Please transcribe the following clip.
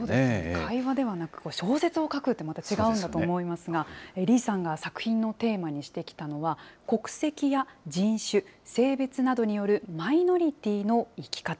会話ではなく、小説を書くって、また違うんだと思いますが、李さんが作品のテーマにしてきたのは、国籍や人種、性別などによるマイノリティーの生き方。